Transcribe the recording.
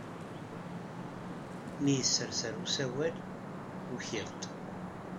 Mi yesserser usawal, ukiɣ-d.